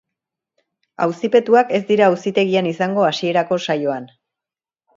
Auzipetuak ez dira auzitegian izango hasierako saioan.